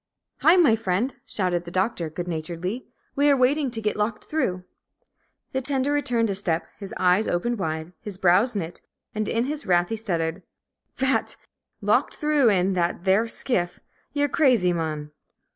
"Hi, my friend!" shouted the Doctor, good naturedly. "We are waiting to get locked through." The tender returned a step, his eyes opened wide, his brows knit, and in his wrath he stuttered, "Ph h a t! Locked through in that theer s s k i ff? Ye're cr razy, mon!"